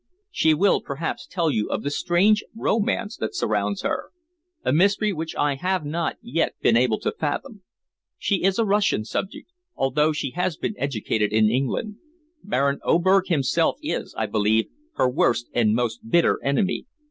"She will perhaps tell you of the strange romance that surrounds her a mystery which I have not yet been able to fathom. She is a Russian subject, although she has been educated in England. Baron Oberg himself is, I believe, her worst and most bitter enemy."